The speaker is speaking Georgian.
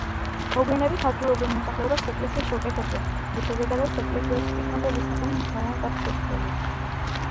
მოგვიანებით ადგილობრივ მოსახლეობას ეკლესია შეუკეთებია, რის შედეგადაც ეკლესიას პირვანდელი სახე მნიშვნელოვნად აქვს შეცვლილი.